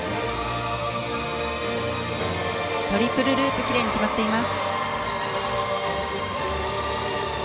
トリプルループきれいに決まっています。